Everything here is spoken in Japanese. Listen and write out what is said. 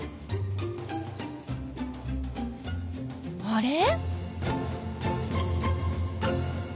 あれ？